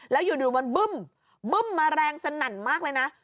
แล้วอยู่มันบึ้มบึ้มมาแรงสนั่นมากเลยนะ